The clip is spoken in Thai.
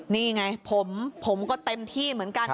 นี่ไงผมก็เต็มที่เหมือนกัน